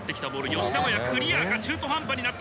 吉田麻也クリアが中途半端になった